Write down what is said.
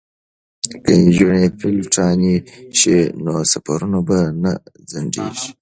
که نجونې پیلوټانې شي نو سفرونه به نه ځنډیږي.